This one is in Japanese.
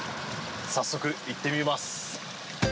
早速、行ってみます。